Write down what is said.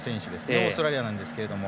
オーストラリアなんですが。